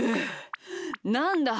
なんだ？